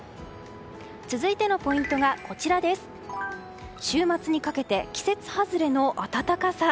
続いてのポイントが週末にかけて季節外れの暖かさ。